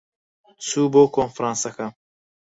چوو بۆ کۆنفرانسەکە.